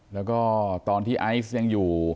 แล้วก็ตอนที่ไอซ์ยังอยู่